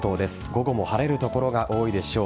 午後も晴れる所が多いでしょう。